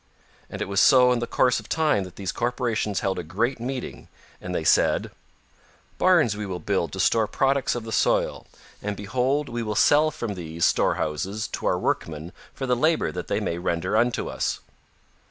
And it was so in the course of time that these corporations held a great meeting and they said: "Barns we will build to store products of the soil, and behold we will sell from these storehouses to our workmen for the labor that they may render unto us."